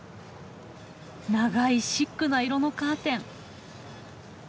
長いシックな色のカーテン。